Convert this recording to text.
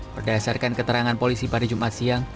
berdasarkan keterangan polisi pada jumat siang